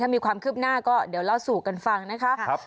มีความคืบหน้าก็เดี๋ยวเล่าสู่กันฟังนะคะ